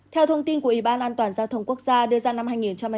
theo thông tin của ủy ban an toàn giao thông quốc gia đưa ra năm hai nghìn hai mươi hai